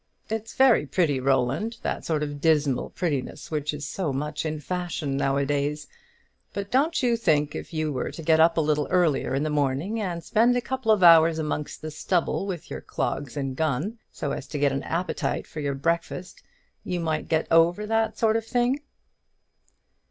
It's very pretty, Roland, that sort of dismal prettiness which is so much in fashion nowadays; but don't you think if you were to get up a little earlier in the morning, and spend a couple of hours amongst the stubble with your clogs and gun, so as to get an appetite for your breakfast, you might get over that sort of thing?"